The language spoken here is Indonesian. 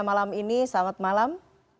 malam ini salam malam